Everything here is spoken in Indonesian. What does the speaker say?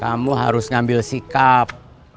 kamu harus ngambil sikap